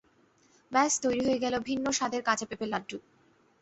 ব্যাস তৈরি হয়ে গেল ভিন্ন স্বাদের কাঁচা পেঁপের লাড্ডু।